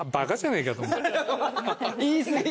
言い過ぎ。